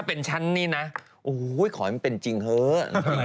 ถ้าเป็นฉันนี่นะหูขอให้มันเป็นจริงเวอะ